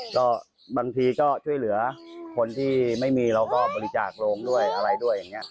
ก็บางทีก็ช่วยเหลือคนที่ไม่มีเราก็บริจาคโรงด้วยอะไรด้วยอย่างนี้